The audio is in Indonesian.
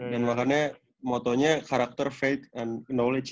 dan makanya motonya karakter faith and knowledge ya